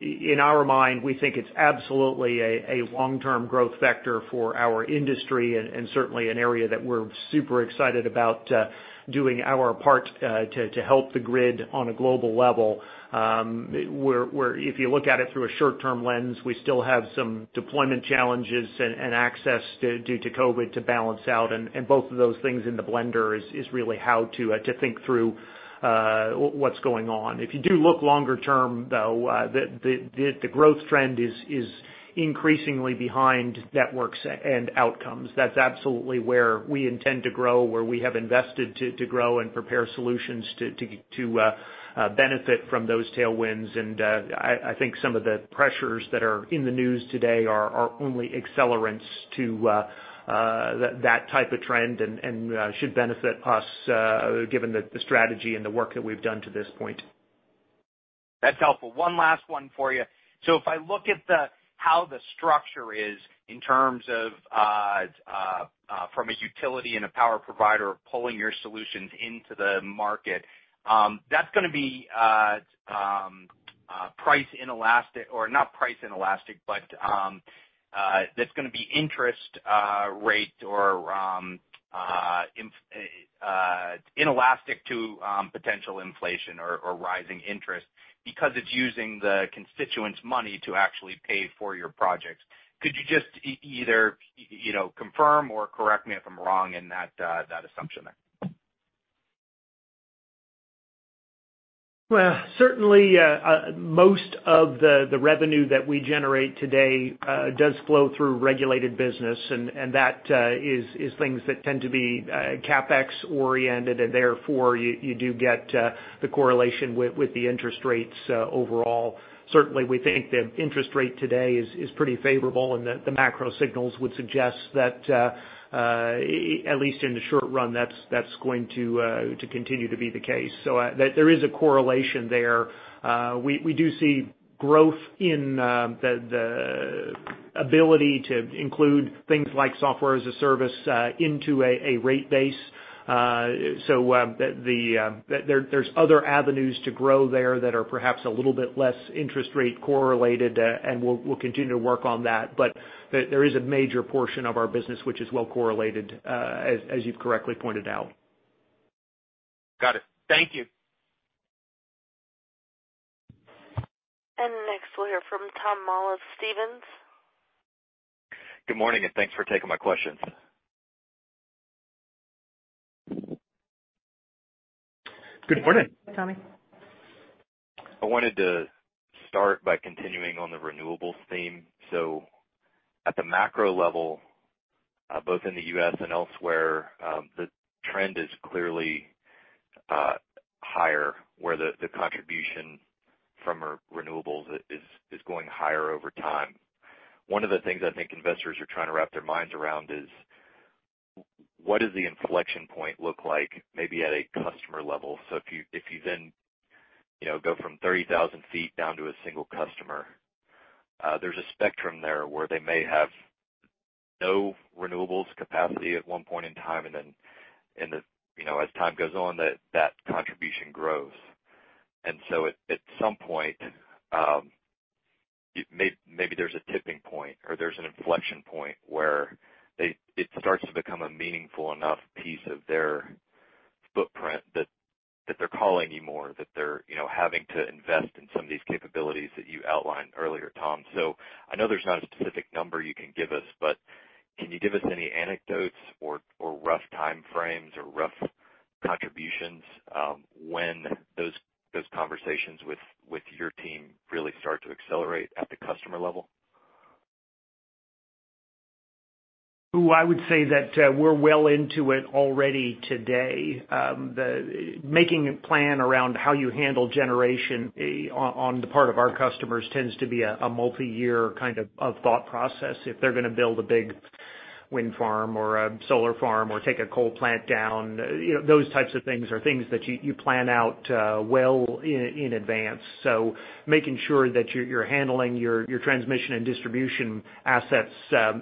Speaker 3: In our mind, we think it's absolutely a long-term growth vector for our industry and certainly an area that we're super excited about doing our part to help the grid on a global level. If you look at it through a short-term lens, we still have some deployment challenges and access due to COVID to balance out. Both of those things in the blender is really how to think through what's going on. If you do look longer term, though, the growth trend is increasingly behind Networks and Outcomes. That's absolutely where we intend to grow, where we have invested to grow and prepare solutions to benefit from those tailwinds. I think some of the pressures that are in the news today are only accelerants to that type of trend and should benefit us, given the strategy and the work that we've done to this point.
Speaker 9: That's helpful. One last one for you. If I look at how the structure is in terms of from a utility and a power provider pulling your solutions into the market, that's going to be price inelastic, or not price inelastic, but that's going to be interest rate or inelastic to potential inflation or rising interest because it's using the constituents' money to actually pay for your projects. Could you just either confirm or correct me if I'm wrong in that assumption there?
Speaker 3: Well, certainly, most of the revenue that we generate today does flow through regulated business, and that is things that tend to be CapEx-oriented, and therefore, you do get the correlation with the interest rates overall. Certainly, we think the interest rate today is pretty favorable, and the macro signals would suggest that, at least in the short run, that's going to continue to be the case. There is a correlation there. We do see growth in the ability to include things like software as a service into a rate base. There's other avenues to grow there that are perhaps a little bit less interest rate correlated, and we'll continue to work on that. There is a major portion of our business which is well correlated, as you've correctly pointed out.
Speaker 9: Got it. Thank you.
Speaker 1: Next, we'll hear from Tom Moll of Stephens.
Speaker 10: Good morning, and thanks for taking my questions.
Speaker 3: Good morning.
Speaker 4: Tommy.
Speaker 10: I wanted to start by continuing on the renewables theme. At the macro level, both in the U.S. and elsewhere, the trend is clearly higher where the contribution from renewables is going higher over time. One of the things I think investors are trying to wrap their minds around is what does the inflection point look like, maybe at a customer level? If you then go from 30,000 feet down to a single customer, there's a spectrum there where they may have no renewables capacity at one point in time, and then, as time goes on, that contribution grows. At some point, maybe there's a tipping point or there's an inflection point where it starts to become a meaningful enough piece of their footprint that they're calling you more, that they're having to invest in some of these capabilities that you outlined earlier, Tom. I know there's not a specific number you can give us, but can you give us any anecdotes or rough time frames or rough contributions when those conversations with your team really start to accelerate at the customer level?
Speaker 3: I would say that we're well into it already today. Making a plan around how you handle generation on the part of our customers tends to be a multi-year kind of thought process. If they're going to build a big wind farm or a solar farm or take a coal plant down, those types of things are things that you plan out well in advance. Making sure that you're handling your transmission and distribution assets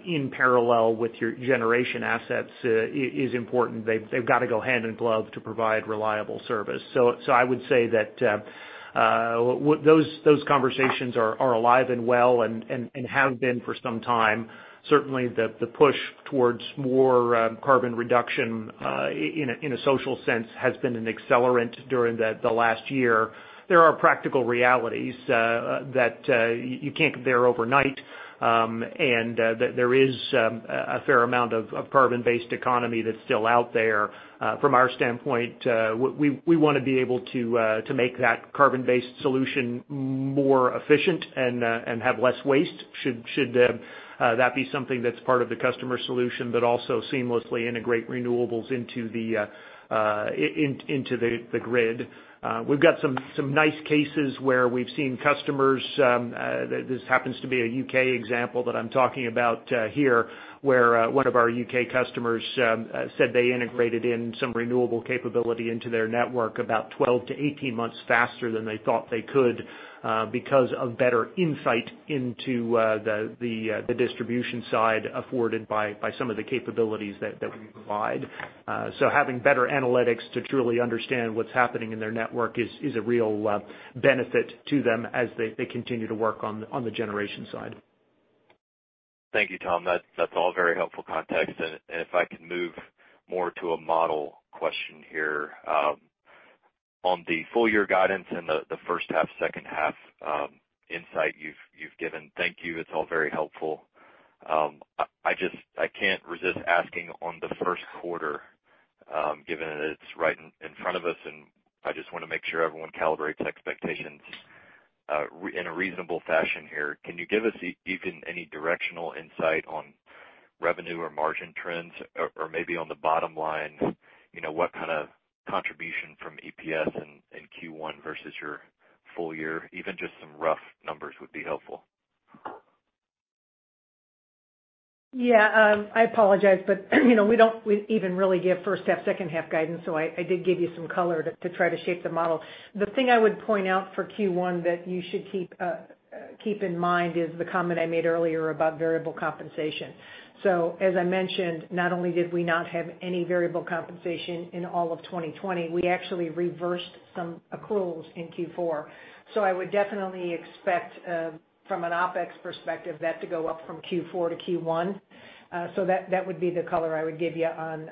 Speaker 3: in parallel with your generation assets is important. They've got to go hand in glove to provide reliable service. I would say that those conversations are alive and well and have been for some time. Certainly, the push towards more carbon reduction in a social sense has been an accelerant during the last year. There are practical realities that you can't get there overnight. There is a fair amount of carbon-based economy that's still out there. From our standpoint, we want to be able to make that carbon-based solution more efficient and have less waste, should that be something that's part of the customer solution, but also seamlessly integrate renewables into the grid. We've got some nice cases where we've seen customers. This happens to be a U.K. example that I'm talking about here, where one of our U.K. customers said they integrated in some renewable capability into their network about 12-18 months faster than they thought they could because of better insight into the distribution side afforded by some of the capabilities that we provide. Having better analytics to truly understand what's happening in their network is a real benefit to them as they continue to work on the generation side.
Speaker 10: Thank you, Tom. That's all very helpful context. If I can move more to a model question here. On the full year guidance and the first half, second half insight you've given. Thank you. It's all very helpful. I can't resist asking on the first quarter, given that it's right in front of us, and I just want to make sure everyone calibrates expectations in a reasonable fashion here. Can you give us even any directional insight on revenue or margin trends or maybe on the bottom line, what kind of contribution from EPS in Q1 versus your full year? Even just some rough numbers would be helpful.
Speaker 4: Yeah, I apologize, but we don't even really give first half, second half guidance, so I did give you some color to try to shape the model. The thing I would point out for Q1 that you should keep in mind is the comment I made earlier about variable compensation. As I mentioned, not only did we not have any variable compensation in all of 2020, we actually reversed some accruals in Q4. I would definitely expect from an OpEx perspective that to go up from Q4 to Q1. That would be the color I would give you on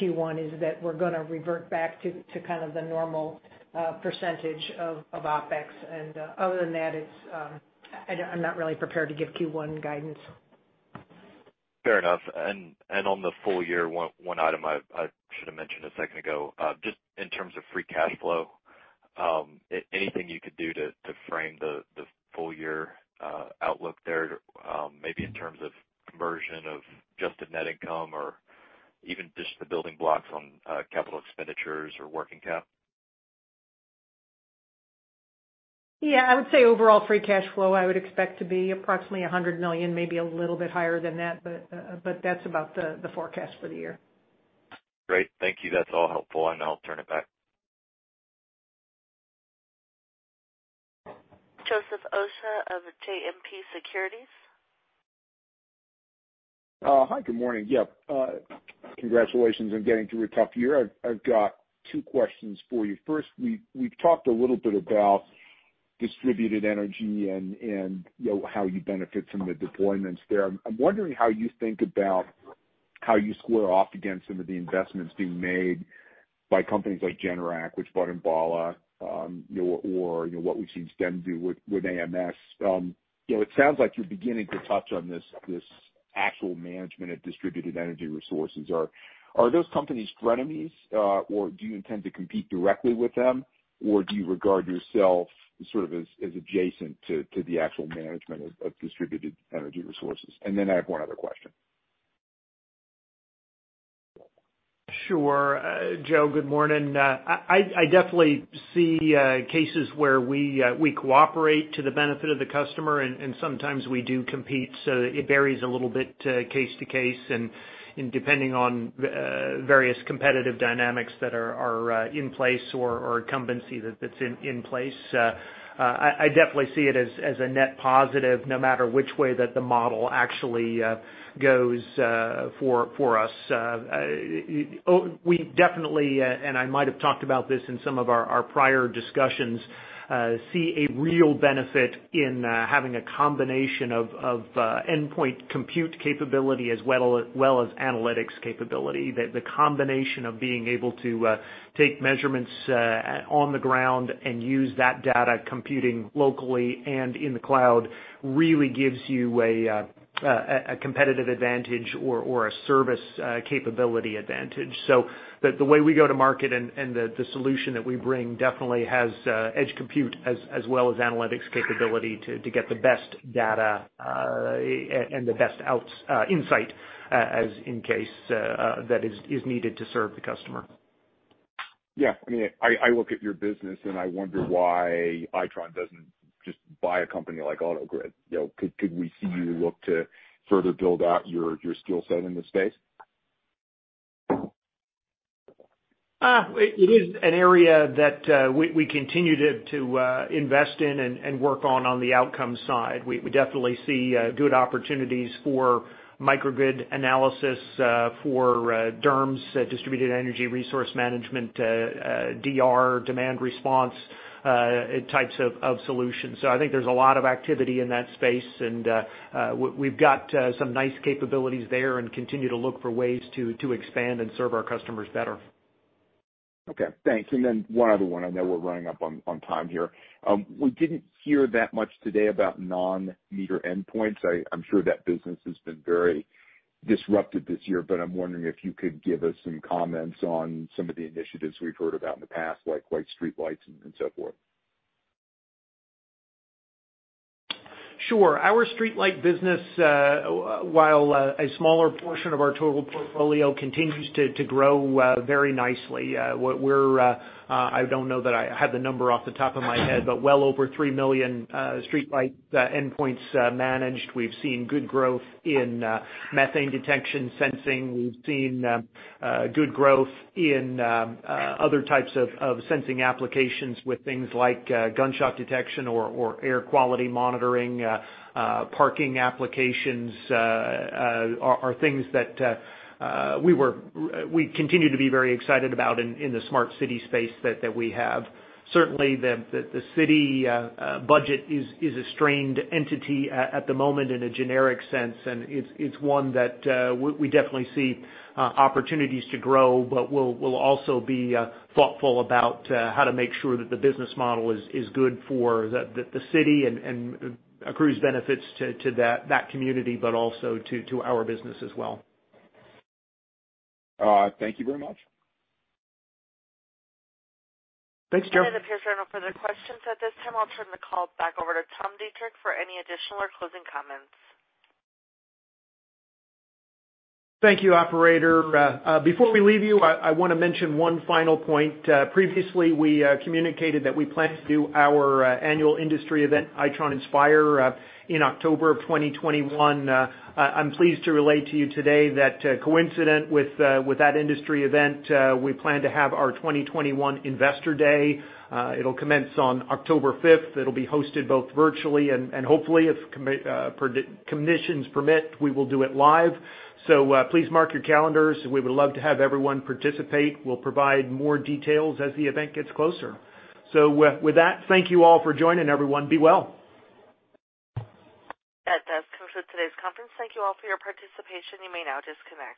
Speaker 4: Q1, is that we're going to revert back to kind of the normal percentage of OpEx. Other than that, I'm not really prepared to give Q1 guidance.
Speaker 10: Fair enough. On the full year, one item I should've mentioned a second ago, just in terms of free cash flow, anything you could do to frame the full year outlook there, maybe in terms of conversion of adjusted net income or even just the building blocks on CapEx or working cap?
Speaker 4: Yeah, I would say overall free cash flow, I would expect to be approximately $100 million, maybe a little bit higher than that, but that's about the forecast for the year.
Speaker 10: Great. Thank you. That's all helpful. I'll turn it back.
Speaker 1: Joseph Osha of JMP Securities.
Speaker 11: Hi, good morning. Yeah. Congratulations on getting through a tough year. I've got two questions for you. We've talked a little bit about distributed energy and how you benefit from the deployments there. I'm wondering how you think about how you square off against some of the investments being made by companies like Generac, which bought Enbala, or what we've seen Stem do with EMS. It sounds like you're beginning to touch on this actual management of distributed energy resources. Are those companies frenemies? Do you intend to compete directly with them? Do you regard yourself as sort of adjacent to the actual management of distributed energy resources? I have one other question.
Speaker 3: Sure. Joe, good morning. I definitely see cases where we cooperate to the benefit of the customer, and sometimes we do compete, so it varies a little bit case to case, and depending on various competitive dynamics that are in place or incumbency that's in place. I definitely see it as a net positive, no matter which way the model actually goes for us. We definitely, and I might have talked about this in some of our prior discussions, see a real benefit in having a combination of endpoint compute capability, as well as analytics capability. The combination of being able to take measurements on the ground and use that data computing locally and in the cloud really gives you a competitive advantage or a service capability advantage. The way we go to market and the solution that we bring definitely has edge compute, as well as analytics capability to get the best data, and the best insight, in case that is needed to serve the customer.
Speaker 11: Yeah. I look at your business, and I wonder why Itron doesn't just buy a company like AutoGrid. Could we see you look to further build out your skill set in the space?
Speaker 3: It is an area that we continue to invest in and work on the Outcomes side. We definitely see good opportunities for microgrid analysis for DERMS, Distributed Energy Resource Management, DR, Demand Response types of solutions. I think there's a lot of activity in that space, and we've got some nice capabilities there and continue to look for ways to expand and serve our customers better.
Speaker 11: Okay, thanks. One other one. I know we're running up on time here. We didn't hear that much today about non-meter endpoints. I'm sure that business has been very disrupted this year, but I'm wondering if you could give us some comments on some of the initiatives we've heard about in the past, like streetlights and so forth.
Speaker 3: Sure. Our streetlight business, while a smaller portion of our total portfolio, continues to grow very nicely. I don't know that I have the number off the top of my head, but well over 3 million streetlight endpoints managed. We've seen good growth in methane detection sensing. We've seen good growth in other types of sensing applications with things like gunshot detection or air quality monitoring. Parking applications are things that we continue to be very excited about in the smart city space that we have. Certainly, the city budget is a strained entity at the moment in a generic sense. It's one that we definitely see opportunities to grow. We'll also be thoughtful about how to make sure that the business model is good for the city and accrues benefits to that community, but also to our business as well.
Speaker 11: Thank you very much.
Speaker 3: Thanks, Joe.
Speaker 1: That is it for the questions at this time. I will turn the call back over to Tom Deitrich for any additional or closing comments.
Speaker 3: Thank you, operator. Before we leave you, I want to mention one final point. Previously, we communicated that we planned to do our annual industry event, Itron Inspire, in October of 2021. I'm pleased to relate to you today that coincident with that industry event, we plan to have our 2021 Investor Day. It'll commence on October fifth. It'll be hosted both virtually and hopefully, if commissions permit, we will do it live. Please mark your calendars. We would love to have everyone participate. We'll provide more details as the event gets closer. With that, thank you all for joining. Everyone, be well.
Speaker 1: That does conclude today's conference. Thank you all for your participation. You may now disconnect.